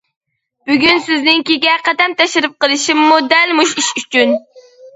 بۈگۈن سىزنىڭكىگە قەدەم تەشرىپ قىلىشىممۇ دەل مۇشۇ ئىش ئۈچۈن.